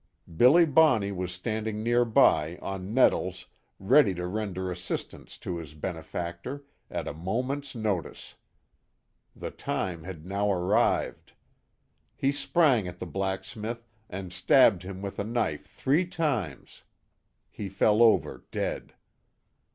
Billy Bonney was standing near by, on nettles, ready to render assistance to his benefactor, at a moment's notice. The time had now arrived. He sprang at the blacksmith and stabbed him with a knife three times. He fell over dead.